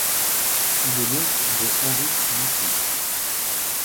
Il est l'oncle de Henri Bisson.